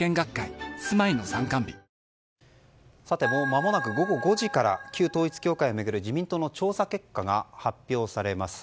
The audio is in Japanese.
まもなく午後５時から旧統一教会を巡る自民党の調査結果が発表されます。